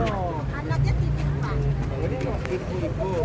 anaknya titik pak